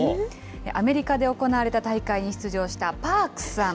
アメリカで行われた大会に出場したパークさん。